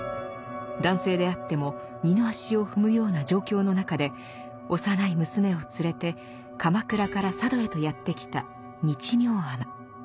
男性であっても二の足を踏むような状況の中で幼い娘を連れて鎌倉から佐渡へとやって来た日妙尼。